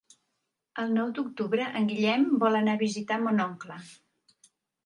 El nou d'octubre en Guillem vol anar a visitar mon oncle.